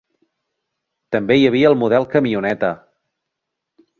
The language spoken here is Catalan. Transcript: També hi havia el model camioneta.